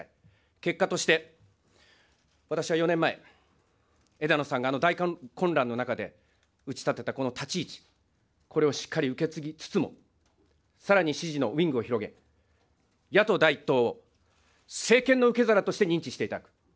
結果として、私は４年前、枝野さんがあの大混乱の中で打ち立てたこの立ち位置、これをしっかり受け継ぎつつも、さらに支持のウイングを広げ、野党第１党を政権の受け皿として認知していただく。